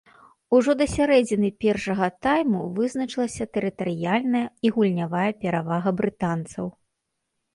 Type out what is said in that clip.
Ужо да сярэдзіны першага тайму вызначылася тэрытарыяльная і гульнявая перавага брытанцаў.